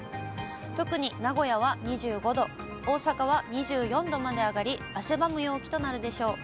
特に名古屋は２５度、大阪は２４度まで上がり、汗ばむ陽気となるでしょう。